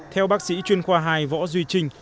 theo bác sĩ chuyên khoa hai võ duy trinh